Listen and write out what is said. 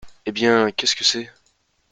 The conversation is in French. Eh bien, qu’est ce que c’est ?